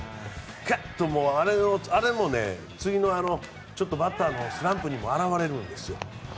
グッと、あれも次のバッターのスランプにも表れるんですよ。